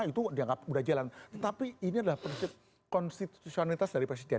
itu dianggap udah jalan